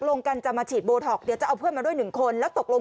ลงกันจะมาฉีดโบท็อกเดี๋ยวจะเอาเพื่อนมาด้วยหนึ่งคนแล้วตกลง